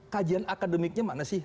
kajian akademiknya mana sih